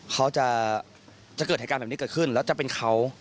เขาจะเกิดเหตุการณ์แบบนี้เกิดขึ้นแล้วจะเป็นเขา